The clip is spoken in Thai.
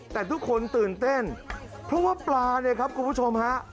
แต่ทุกคนตื่นเต้นเพราะว่าปลาเนี่ยครับคุณผู้ชมฮะ